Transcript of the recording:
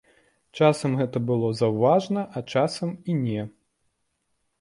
Часам гэта было заўважана, а часам і не.